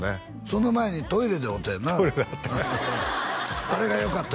その前にトイレで会うたんよなトイレで会ったあれがよかった